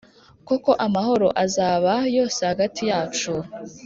koko amahoro azaba yose hagati yacu.